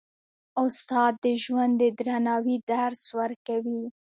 استاد د ژوند د درناوي درس ورکوي.